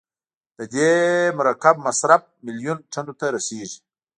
د دې مرکب مصرف میلیون ټنو ته رسیږي.